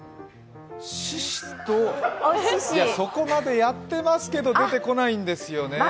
いや、そこまでやってますけど、出てこないんですよね。